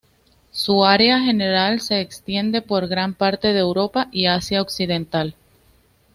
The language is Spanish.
Su área general se extiende por gran parte de Europa y Asia occidental.